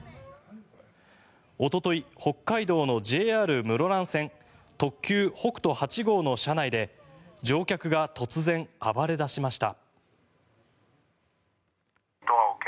おととい、北海道のＪＲ室蘭線特急北斗８号の車内で乗客が突然、暴れ出しました。